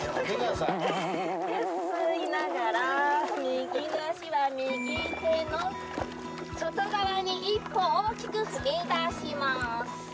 吸いながら右の足は右手の外側に一歩大きく踏み出します。